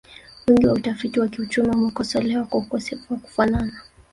Wingi wa utafiti wa kiuchumi umekosolewa kwa ukosefu wa kufanana